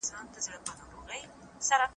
استاد حبیبي یو نه ستړی کېدونکی محقق و.